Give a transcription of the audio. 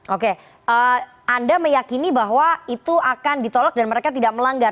oke anda meyakini bahwa itu akan ditolak dan mereka tidak melanggar